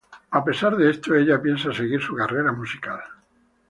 A pesar de esto, ella piensa seguir su carrera musical.